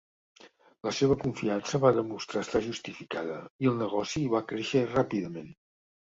La seva confiança va demostrar estar justificada i el negoci va créixer ràpidament.